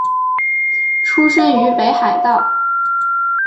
出身于北海道。